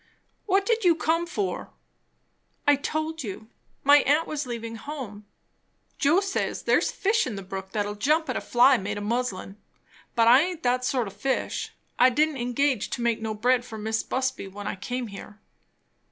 "What did you come for?" "I told you; my aunt was leaving home." "Joe says, there's fish in the brook that'll jump at a fly made o' muslin but I aint that sort o' fish. I didn't engage to make no bread for Mis' Busby when I come here."